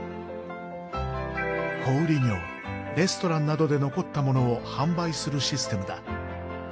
小売業レストランなどで残ったものを販売するシステムだ。